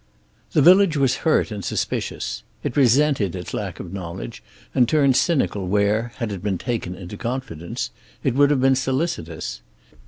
The village was hurt and suspicious. It resented its lack of knowledge, and turned cynical where, had it been taken into confidence, it would have been solicitous.